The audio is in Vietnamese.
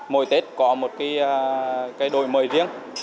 mỗi tết có một cái đổi mời riêng